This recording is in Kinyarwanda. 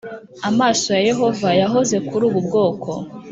Amaso ya Yehova yahoze kuri ubu bwoko